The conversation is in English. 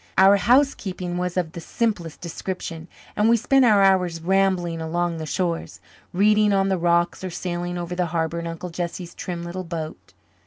Our housekeeping was of the simplest description and we spent our hours rambling along the shores, reading on the rocks or sailing over the harbour in Uncle Jesse's trim little boat.